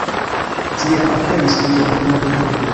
Tiam aperis lia unua volumo.